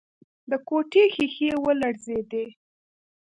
د کوټې ښيښې ولړزېدې.